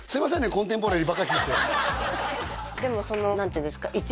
コンテンポラリーばっか聞いてでもその何ていうんですか？